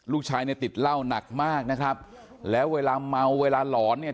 ลูกชายเนี่ยติดเหล้าหนักมากนะครับแล้วเวลาเมาเวลาหลอนเนี่ย